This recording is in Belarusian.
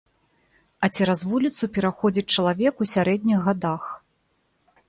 А цераз вуліцу пераходзіць чалавек у сярэдніх гадах.